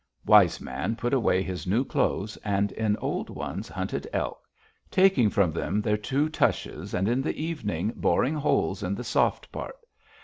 "Wise Man put away his new clothes, and in old ones hunted elk, taking from them their two tushes, and in the evening boring holes in the soft part.